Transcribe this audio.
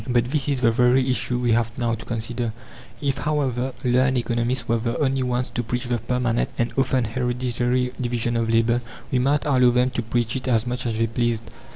But this is the very issue we have now to consider. If, however, learned economists were the only ones to preach the permanent and often hereditary division of labour, we might allow them to preach it as much as they pleased.